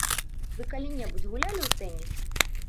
Вы калі-небудзь гулялі ў тэніс?